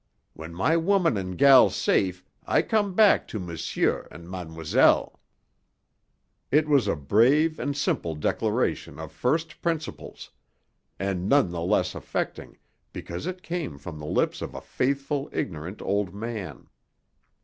When my woman and gal safe I come back to m'sieur and ma'm'selle." It was a brave and simple declaration of first principles, and none the less affecting, because it came from the lips of a faithful, ignorant old man.